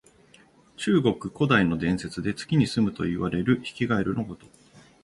中国古代の伝説で、月にすむといわれるヒキガエルのこと。